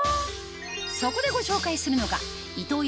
そこでご紹介するのがイトー